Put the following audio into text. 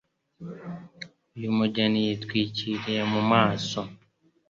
Uyu mugeni yitwikiriye mu maso.